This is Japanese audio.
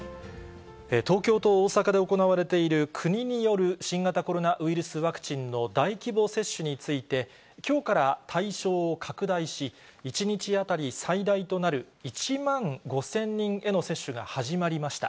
東京と大阪で行われている国による新型コロナウイルスワクチンの大規模接種について、きょうから対象を拡大し、１日当たり最大となる１万５０００人への接種が始まりました。